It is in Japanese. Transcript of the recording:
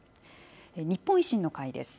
日本維新の会です。